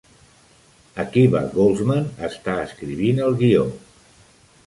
Akiva Goldsman està escrivint el guió.